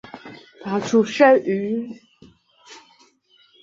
他出生于美国宾夕法尼亚州。